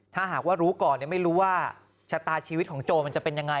ถ้าหากว่ารู้ก่อนไม่รู้ว่าชะตาชีวิตของโจรมันจะเป็นยังไง